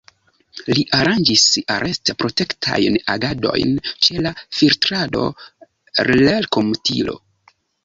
Li aranĝis arest-protektajn agadojn ĉe la Filtrado-Relkomutilo.